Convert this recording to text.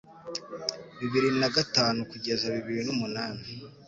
bibiri nagatatu kugeza bibiri numunani